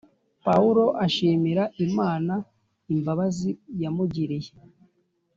Pawulo ashimira Imana imbabazi yamugiriye